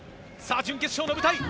準決勝の舞台。